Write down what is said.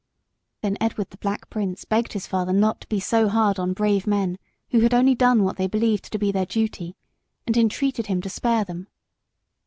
Then Edward the Black Prince begged his father not to be so hard on brave men who had only done what they believed to be their duty, and entreated him to spare them.